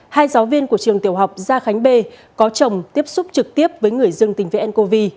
hai giáo viên của trường tiểu học gia khánh bê có chồng tiếp xúc trực tiếp với người dương tính với ncov